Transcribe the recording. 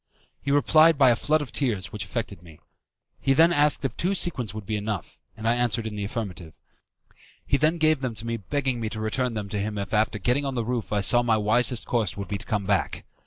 He replied by a flood of tears, which affected me. He then asked if two sequins would be enough, and I answered in the affirmative. He then gave them to me begging me to return them to him if after getting on the roof I saw my wisest course would be to come back.